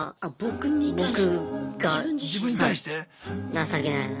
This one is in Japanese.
情けないな。